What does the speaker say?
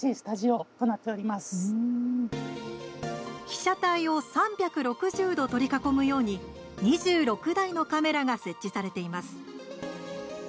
被写体を３６０度取り囲むように２６台のカメラが設置されています。